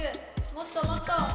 もっともっと！